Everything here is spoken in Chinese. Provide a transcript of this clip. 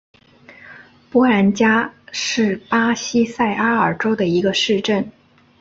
波兰加是巴西塞阿拉州的一个市镇。